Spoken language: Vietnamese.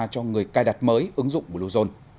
cho người cài đặt mới ứng dụng bluezone